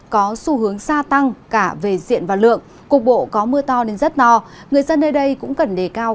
có xu hướng xa tăng cả về diện và lượng cục bộ có mưa to nên rất no người dân nơi đây cũng cần đề cao